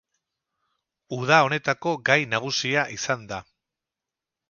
Uda honetako gai nagusia izan da.